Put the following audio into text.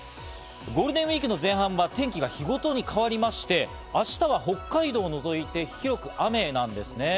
ゴールデンウイークの前半は天気が日ごとに変わりまして、明日は北海道を除いて広く雨なんですね。